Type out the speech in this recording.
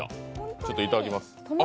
ちょっといただきます。